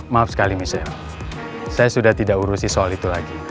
maaf sekali misalnya saya sudah tidak urusi soal itu lagi